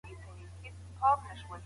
دوی دواړه په یوه سفر کې وو.